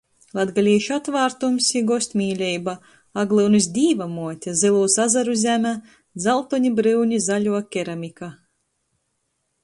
Latgalīšu atvārtums i gostmīleiba, Aglyunys Dīvamuote, Zylūs azaru zeme, dzaltoni- bryuni-zaļuo keramika.